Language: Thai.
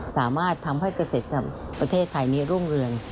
สามารถทำให้เกษตรกรรมประเทศไทยนี้รุ่งเรือง